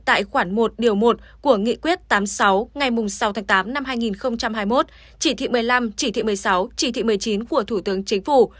tại khoản một điều một của nghị quyết tám mươi sáu ngày sáu tháng tám năm hai nghìn hai mươi một chỉ thị một mươi năm chỉ thị một mươi sáu chỉ thị một mươi chín của thủ tướng chính phủ